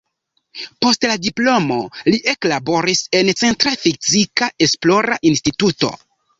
Post la diplomo li eklaboris en "Centra Fizika Esplora Instituto".